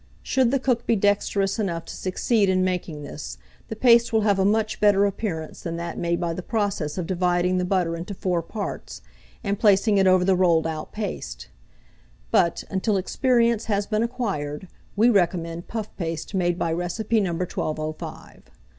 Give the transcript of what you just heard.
Should the cook be dexterous enough to succeed in making this, the paste will have a much better appearance than that made by the process of dividing the butter into 4 parts, and placing it over the rolled out paste; but, until experience has been acquired, we recommend puff paste made by recipe No. 1205.